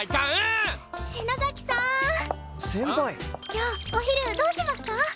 今日お昼どうしますか？